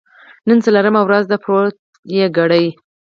نن څلورمه ورځ ده، پروت یې کړی.